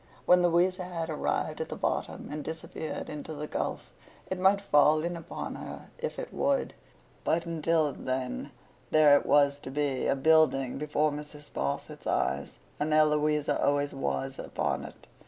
When Louisa had arrived at the bottom and disappeared in the gulf, it might fall in upon her if it would; but, until then, there it was to be, a Building, before Mrs. Sparsit's eyes. And there Louisa always was, upon it.